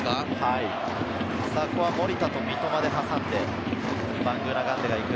守田と三笘で挟んで、バングーナガンデが行く。